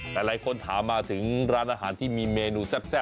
แต่หลายคนถามมาถึงร้านอาหารที่มีเมนูแซ่บ